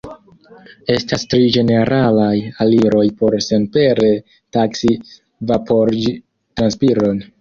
Estas tri ĝeneralaj aliroj por senpere taksi vaporiĝ-transpiron.